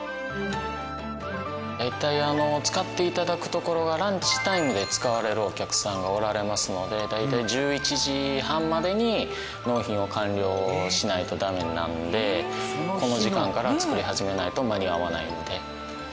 大体使って頂く所がランチタイムで使われるお客さんがおられますので大体１１時半までに納品を完了しないとダメなのでこの時間から作り始めないと間に合わないので。